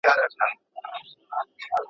په اولس کي به دي ږغ «منظورومه »!